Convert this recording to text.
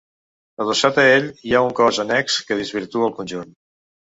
Adossat a ell hi ha un cos annex que desvirtua el conjunt.